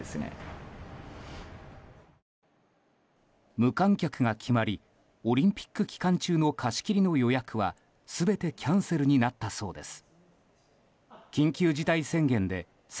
無観客が決まりオリンピック期間中の貸し切りの予約は全てキャンセルになったそうです。